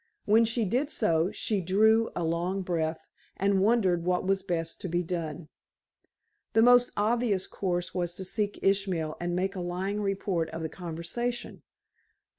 When she did so, she drew a long breath, and wondered what was best to be done. The most obvious course was to seek Ishmael and make a lying report of the conversation.